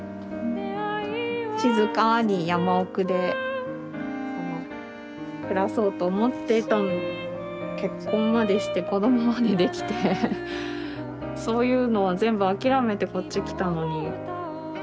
静かに山奥で暮らそうと思っていたのに結婚までして子どもまでできてそういうのは全部諦めてこっち来たのに不思議ですよね。